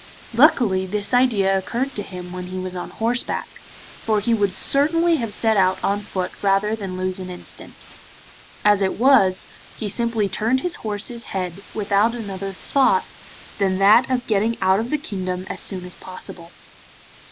Luckily this idea occurred to him when he was on horseback, for he would certainly have set out on foot rather than lose an instant. As it was, he simply turned his horse's head, without another thought than that of getting out of the kingdom as soon as possible.